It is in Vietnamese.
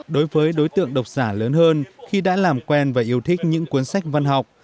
đối với đối tượng độc giả lớn hơn khi đã làm quen và yêu thích những cuốn sách văn học